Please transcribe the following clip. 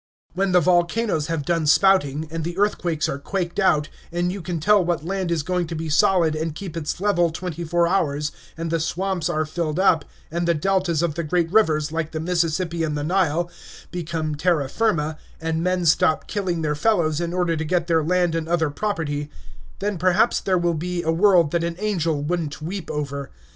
When the volcanoes have done spouting, and the earthquakes are quaked out, and you can tell what land is going to be solid and keep its level twenty four hours, and the swamps are filled up, and the deltas of the great rivers, like the Mississippi and the Nile, become terra firma, and men stop killing their fellows in order to get their land and other property, then perhaps there will be a world that an angel would n't weep over.